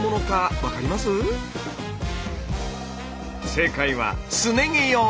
正解はすね毛用。